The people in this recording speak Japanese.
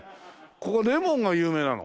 ここはレモンが有名なの？